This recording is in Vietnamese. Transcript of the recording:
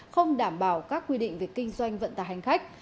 không đảm bảo các quy định về kinh doanh vận tài hành khách